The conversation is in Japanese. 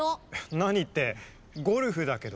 なにってゴルフだけど。